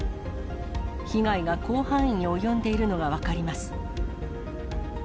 被害が広範囲に及んでいるのが分かります。